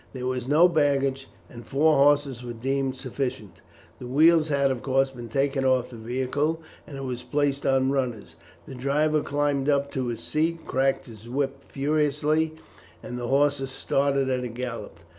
There was no luggage, and four horses were deemed sufficient. The wheels had, of course, been taken off the vehicle, and it was placed on runners. The driver climbed up to his seat, cracked his whip furiously, and the horses started at a gallop.